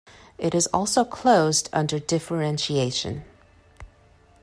It is also closed under differentiation.